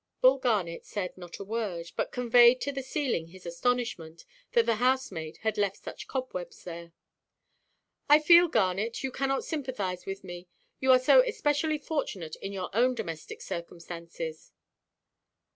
Bull Garnet said not a word, but conveyed to the ceiling his astonishment that the housemaid had left such cobwebs there. "I fear, Garnet, you cannot sympathize with me. You are so especially fortunate in your own domestic circumstances."